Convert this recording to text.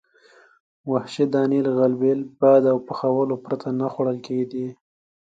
وحشي دانې له غلبیل، باد او پخولو پرته نه خوړل کېدې.